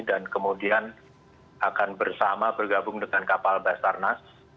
dan kemudian akan bersama bergabung dengan kapal basarnas